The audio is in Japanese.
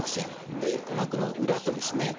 で鼓膜の裏とですね